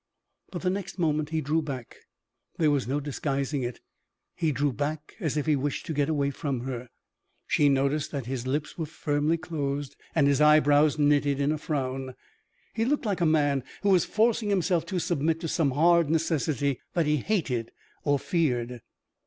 But the next moment he drew back. There was no disguising it, he drew back as if he wished to get away from her. She noticed that his lips were firmly closed and his eyebrows knitted in a frown; he looked like a man who was forcing himself to submit to some hard necessity that he hated or feared.